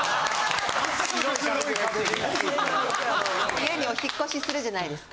家にお引っ越しするじゃないですか。